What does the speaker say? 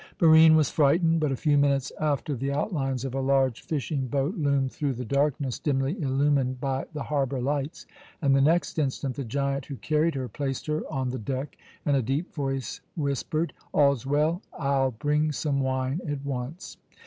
Barine was frightened; but a few minutes after the outlines of a large fishing boat loomed through the darkness, dimly illumined by the harbour lights, and the next instant the giant who carried her placed her on the deck, and a deep voice whispered: "All's well. I'll bring some wine at once."